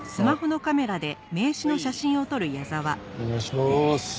お願いします。